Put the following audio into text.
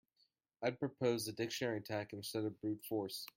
I'd propose a dictionary attack instead of brute force.